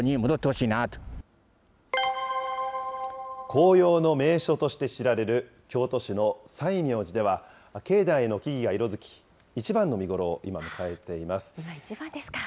紅葉の名所として知られる京都市の西明寺では、境内の木々が色づき、一番の見頃を今、今、一番ですか。